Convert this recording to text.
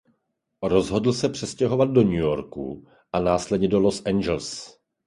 Rozhodl se přestěhovat do New Yorku a následně do Los Angeles.